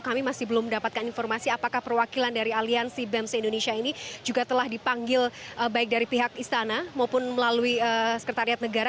kami masih belum mendapatkan informasi apakah perwakilan dari aliansi bems indonesia ini juga telah dipanggil baik dari pihak istana maupun melalui sekretariat negara